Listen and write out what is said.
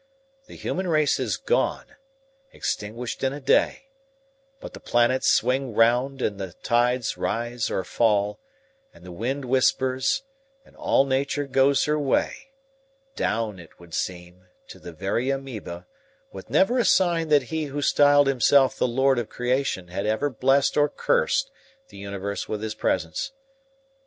The human race is gone, extinguished in a day, but the planets swing round and the tides rise or fall, and the wind whispers, and all nature goes her way, down, as it would seem, to the very amoeba, with never a sign that he who styled himself the lord of creation had ever blessed or cursed the universe with his presence.